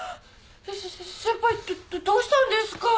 せせせ先輩どうしたんですか？